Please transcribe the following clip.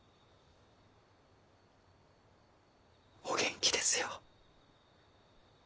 お元気ですよ。